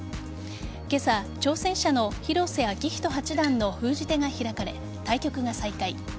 今朝、挑戦者の広瀬章人八段の封じ手が開かれ対局が再開。